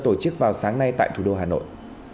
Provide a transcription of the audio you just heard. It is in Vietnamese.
tổ chức vào sáng nay tại thủ đô hà nội